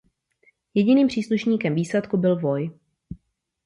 Jediným příslušníkem výsadku byl voj.